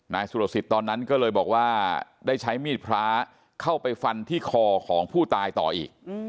สุรสิทธิ์ตอนนั้นก็เลยบอกว่าได้ใช้มีดพระเข้าไปฟันที่คอของผู้ตายต่ออีก